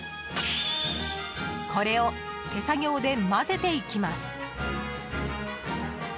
これを手作業で混ぜていきます。